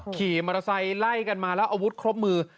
ขี่มอเตอร์ไซค์ไล่กันมาแล้วอาวุธครบมือ